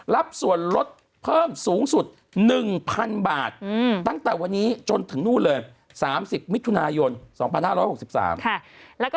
รับส่วนลดเพิ่มสูงสุด๑๐๐๐บาทตั้งแต่วันนี้จนถึงนู่นเลย